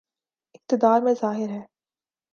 اقتدار میں ظاہر ہے۔